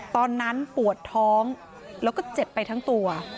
ตอนนั้นปวดท้องแล้วก็เจ็บไปทั้งตัว